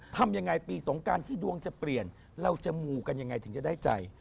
ทำยังไงปีสงการที่ดวงจะเปลี่ยนเราจะมูกันยังไงถึงจะได้ใจ